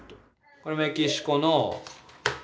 これメキシコの。